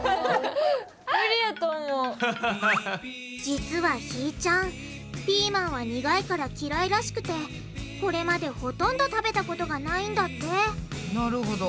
実はひーちゃんピーマンは苦いから嫌いらしくてこれまでほとんど食べたことがないんだってなるほど。